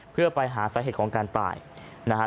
เพื่อไปหาสหัยเหตุของการตายนะครับ